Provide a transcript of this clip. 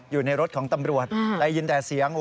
อยู่ในรถของตำรวจได้ยินแต่เสียง